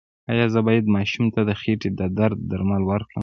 ایا زه باید ماشوم ته د خېټې د درد درمل ورکړم؟